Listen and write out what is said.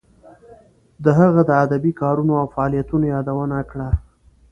د هغه د ادبی کارونو او فعالیتونو یادونه کړه.